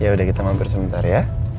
yaudah kita mampir sebentar ya